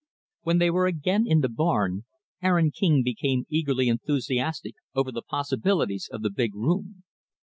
When they were again in the barn, Aaron King became eagerly enthusiastic over the possibilities of the big room.